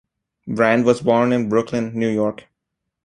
Brand was born in Brooklyn, New York.